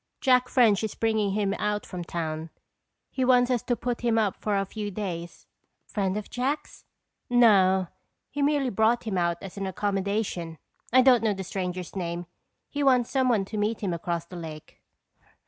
Jack French is bringing him out from town. He wants us to put him up for a few days." "Friend of Jack's?" "No, he merely brought him out as an accommodation. I don't know the stranger's name. He wants someone to meet him across the lake."